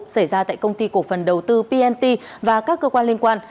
xảy ra tại công ty cổ phần đầu tư pnt và các cơ quan liên quan